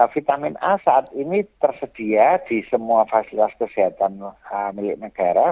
vitamin a saat ini tersedia di semua fasilitas kesehatan milik negara